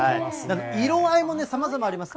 色合いもさまざまあります。